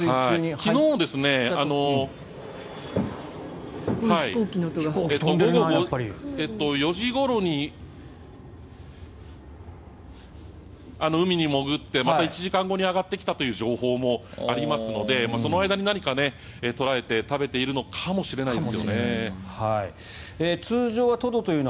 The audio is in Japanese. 昨日午後４時ごろに海に潜ってまた１時間後に上がってきたという情報もありますのでその間に何か捉えて食べているのかもしれないです。